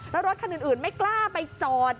แล้วรถคันอื่นไม่กล้าไปจอด